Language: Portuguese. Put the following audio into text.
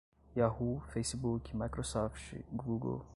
yahoo, facebook, microsoft, google